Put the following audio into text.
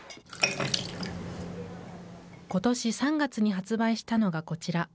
ことし３月に発売したのがこちら。